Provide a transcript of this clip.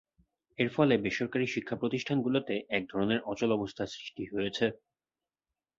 এর ফলে বেসরকারি শিক্ষাপ্রতিষ্ঠানগুলোতে একধরনের অচলাবস্থার সৃষ্টি হয়েছে।